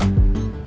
ya pak juna